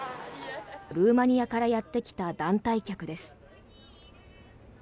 ルーマニアからやってきた団体客です。